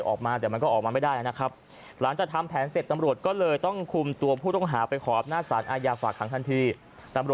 เอามือกำปั้นอะไรต่อยเข้าไปที่กระจกวางจะให้แตกนะ